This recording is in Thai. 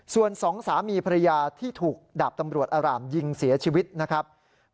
ส่วนสองสามีภรรยาที่ถูกดาบตำรวจอร่ามยิงเสียชีวิตนะครับ